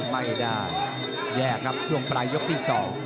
ไม่ได้แยกครับช่วงปลายยกที่๒